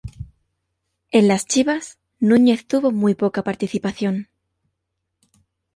En las Chivas, Núñez tuvo muy poca participación.